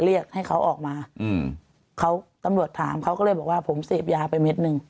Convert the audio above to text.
เรียกให้เขาออกมาอืมเขาตำรวจถามเขาก็เลยบอกว่าผมเสพยาไปเม็ดหนึ่ง